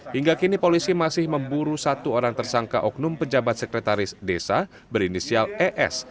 hingga kini polisi masih memburu satu orang tersangka oknum pejabat sekretaris desa berinisial es